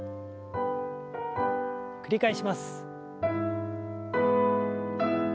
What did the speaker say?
繰り返します。